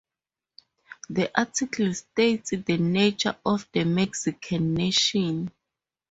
This article states the nature of the Mexican nation.